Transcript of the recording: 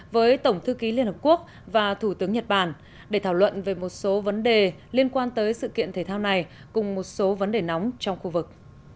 với tổng thư ký liên hợp quốc và thủ tướng nhật bản để thảo luận về một số vấn đề liên quan tới sự kiện thể thao này cùng một số vấn đề nóng trong khu vực